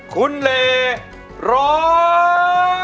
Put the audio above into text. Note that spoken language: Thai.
คุณเลร้อง